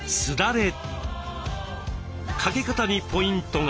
掛け方にポイントが。